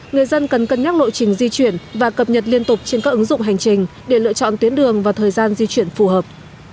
người dân cần cân nhắc lộ trình di chuyển và cập nhật liên tục trên các ứng dụng hành trình để lựa chọn tuyến đường và thời gian di chuyển phù hợp